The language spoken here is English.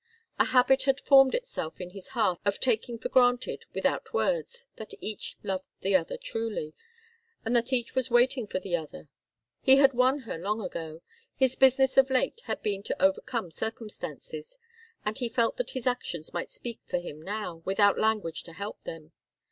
A habit had formed itself in his heart of taking for granted, without words, that each loved the other truly, and that each was waiting for the other. He had won her long ago. His business of late had been to overcome circumstances, and he felt that his actions might speak for him now, without language to help them.